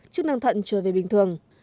chức năng thận trở về bình thường